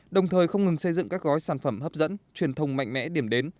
đồng thời không ngừng xây dựng các gói sản phẩm hấp dẫn truyền thông mạnh mẽ điểm đến